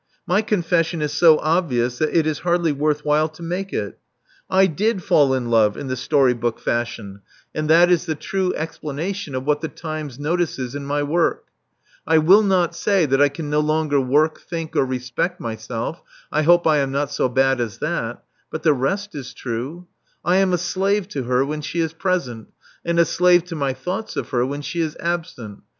My con fession is so obvious that it is hardly worth while to make it. I did fall in love in the story book fashion: Love Among the Artists 391 and that is the true explanation of what the Times notices in my work. I will not say that I can no longer work, think, or respect myself — I hope I am not so bad as that: but the rest is true. I am a slave to her when she is present, and a slave to my thoughts of her when she is absent.